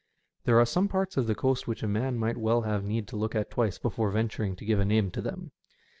There are some parts of the coast which a man might well have need to look at twice before venturing to give a name to them.